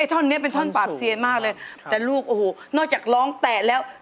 ท่อนนี้เป็นท่อนปราบเซียนมากเลยแต่ลูกโอ้โหนอกจากร้องแตะแล้ว